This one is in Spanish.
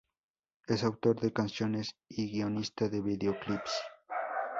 Es autor de canciones y guionista de videoclips.